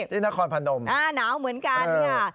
นครพนมหนาวเหมือนกันค่ะ